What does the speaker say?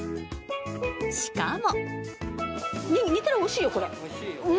しかも。